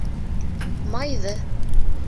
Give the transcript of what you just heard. — Майҙы